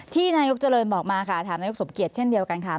นายกเจริญบอกมาค่ะถามนายกสมเกียจเช่นเดียวกันค่ะ